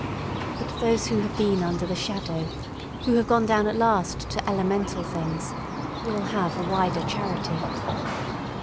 But those who have been under the shadow, who have gone down at last to elemental things, will have a wider charity.